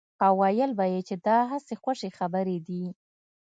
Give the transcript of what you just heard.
او ويل به يې چې دا هسې خوشې خبرې دي.